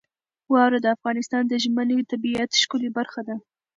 واوره د افغانستان د ژمنۍ طبیعت ښکلې برخه ده.